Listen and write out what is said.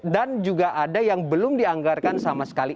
dan juga ada yang belum dianggarkan sama sekali